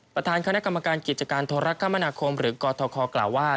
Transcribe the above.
ประธานคณะกรรมการกิจการโทรคมนาคมหรือกทคกล่าวว่า